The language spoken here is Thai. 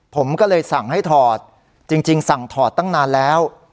ผมก็เลยสั่งให้ถอดจริงสั่งถอดตั้งนานแล้ว